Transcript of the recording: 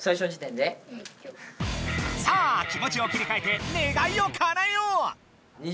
さあ気もちを切りかえて願いをかなえよう！